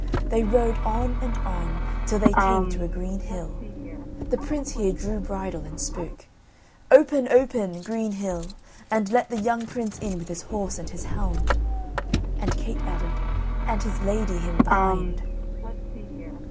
They rode on and on till they came to a green hill. The prince here drew bridle and spoke, "Open, open, green hill, and let the young prince in with his horse and his hound," and Kate added, "and his lady him behind."